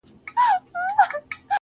ماته به بله موضوع پاته نه وي~